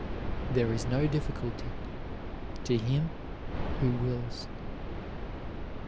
"There is no difficulty to him who wills."